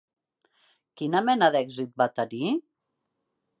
Quina mena d'èxit va tenir?